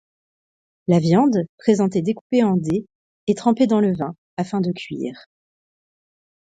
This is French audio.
La viande, présentée découpée en dés, est trempée dans le vin, afin de cuire.